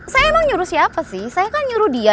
saya emang nyuruh siapa sih saya kan nyuruh dia